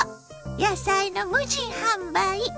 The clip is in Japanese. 野菜の無人販売。